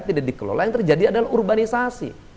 tidak dikelola yang terjadi adalah urbanisasi